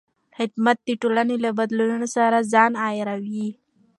خدمت د ټولنې له بدلونونو سره ځان عیاروي.